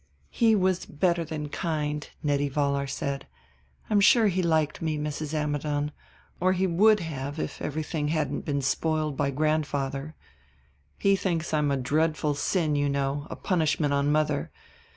"He was better than kind," Nettie Vollar said. "I'm sure he liked me, Mrs. Ammidon, or he would have if everything hadn't been spoiled by grandfather. He thinks I'm a dreadful sin, you know, a punishment on mother.